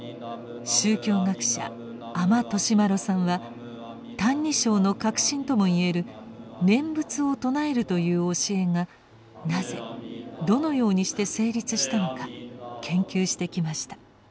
宗教学者阿満利麿さんは「歎異抄」の核心ともいえる「念仏を称える」という教えがなぜどのようにして成立したのか研究してきました。